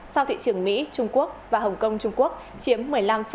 sau thị trường mỹ trung quốc và hồng kông trung quốc chiếm một mươi năm sáu